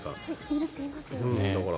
いるって言いますよね。